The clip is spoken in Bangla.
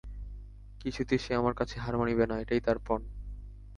কিছুতেই সে আমার কাছে হার মানিবে না, এই তার পণ।